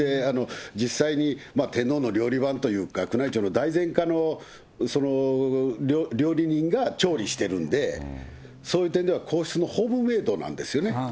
実際に天皇の料理番というか、宮内庁のだいぜんかの料理人が調理してるんで、そういう点では皇室のホームメードなんですよね。